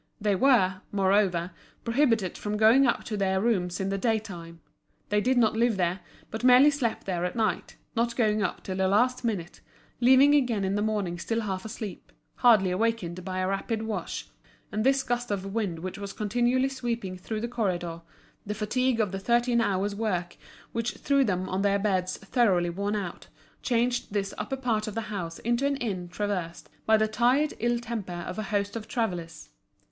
They were, moreover, prohibited from going up to their rooms in the day time; they did not live there, but merely slept there at night, not going up till the last minute, leaving again in the morning still half asleep, hardly awakened by a rapid wash; and this gust of wind which was continually sweeping through the corridor, the fatigue of the thirteen hours' work which threw them on their beds thoroughly worn out, changed this upper part of the house into an inn traversed by the tired ill temper of a host of travellers.